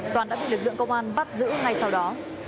toàn đã bị lực lượng công an bắt giữ ngay sau đó